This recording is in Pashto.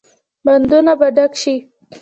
بندونه به ډک شي؟